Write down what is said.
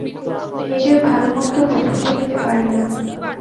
নিজের ভালোমন্দ বুঝে চলিতে পারি না?